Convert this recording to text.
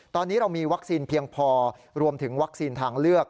ตอนนี้เรามีวัคซีนเพียงพอรวมถึงวัคซีนทางเลือก